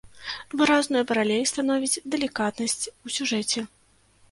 Выразную паралель становіць далікатнасць у сюжэце.